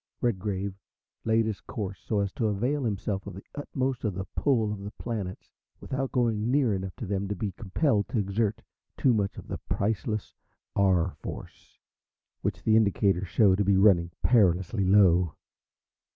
Redgrave laid his course so as to avail himself to the utmost of the "pull" of the planets without going near enough to them to be compelled to exert too much of the priceless R. Force, which the indicators showed to be running perilously low.